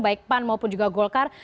baik pan maupun juga golkar